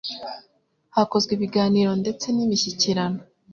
Hakozwe ibiganiro ndetse n'imishyikirano